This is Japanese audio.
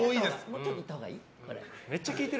もうちょっといったほうがいい？